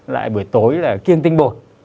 lại buổi tối là kiêng tinh bột